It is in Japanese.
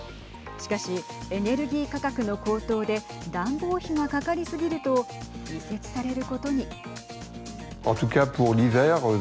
しかし、エネルギー価格の高騰で暖房費がかかり過ぎると移設されることに。